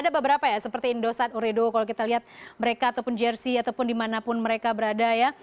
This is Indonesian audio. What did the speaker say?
ada beberapa ya seperti indosat uredo kalau kita lihat mereka ataupun jersi ataupun dimanapun mereka berada ya